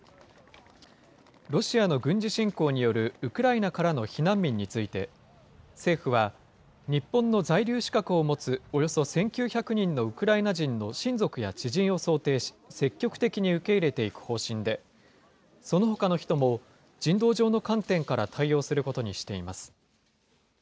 ロシアの軍事侵攻によるウクライナからの避難民について、政府は、日本の在留資格を持つおよそ１９００人のウクライナ人の親族や知人を想定し、積極的に受け入れていく方針で、そのほかの人も、人道上の観点から対応することにしています。